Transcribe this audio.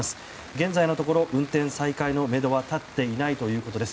現在のところ運転再開のめどは立っていないということです。